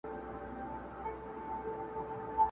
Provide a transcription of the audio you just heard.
هغه سندري د باروتو او لمبو ويلې٫